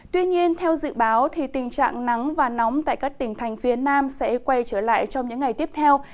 tuy nhiên theo dự báo tình trạng nắng và nóng tại các tỉnh thành phía nam sẽ quay trở lại trong những ngày tiếp theo